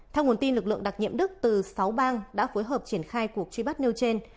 theo nguồn tin lực lượng đặc nhiệm đức từ sáu bang đã phối hợp triển khai cuộc truy bắt nêu trên